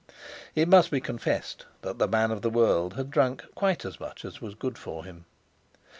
It must be confessed that the man of the world had drunk quite as much as was good for him.